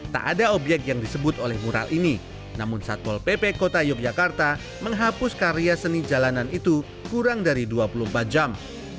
tak ada obyek yang disebut oleh mural ini namun satpol pp kota yogyakarta menghapus karya seni jalanan itu kurang dari dua puluh empat jam